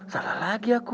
salah lagi aku